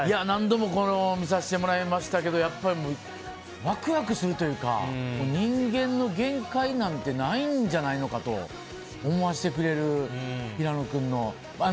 何度も見させてもらいましたけどやっぱりワクワクするというか人間の限界なんてないんじゃないのかと思わせてくれる、平野君の。